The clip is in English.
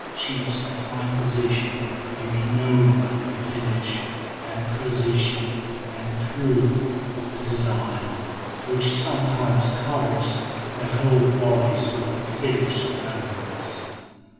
Chiefs of high position may be known by the finish and precision and truth of the design, which sometimes covers their whole bodies with the figures of animals.